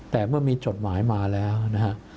แต่เมื่อมีจดหมายมาแล้วนะฮะ